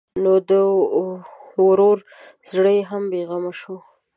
نو د ورور زړه یې هم بېغمه شو.